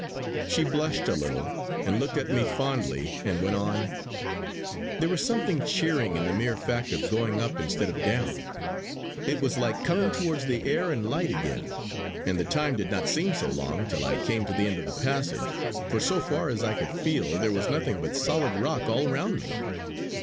She blushed a little and looked at me fondly and went on: "There was something cheering in the mere fact of going up instead of down. It was like coming towards the air and light again; and the time did not seem so long till I came to the end of the passage, for so far as I could feel there was nothing but solid rock all round me.